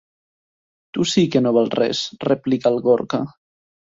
Tu sí que no vals res —replica el Gorka—.